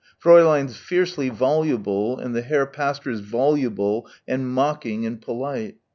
Fräulein's fiercely voluble and the Herr Pastor's voluble and mocking and polite.